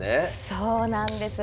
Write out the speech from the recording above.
そうなんです。